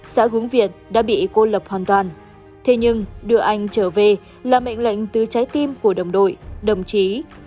xã hướng việt đã bị cô lập hoàn toàn thế nhưng đưa anh trở về là mệnh lệnh từ trái tim của đồng đội đồng chí